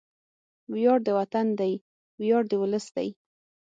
وياړ د وطن دی، ویاړ د ولس دی